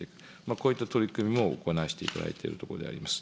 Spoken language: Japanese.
こういった取り組みを行わせていただいているところであります。